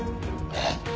えっ？